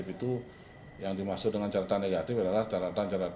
merupakan bentuk kepercayaan atas profesionalitas hakim tersebut